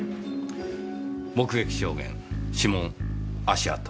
目撃証言指紋足跡